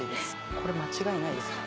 これ間違いないですね。